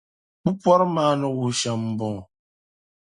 Bɛ pɔri maa ni wuhi shɛm m-bɔŋɔ: